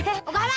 eh enggak lah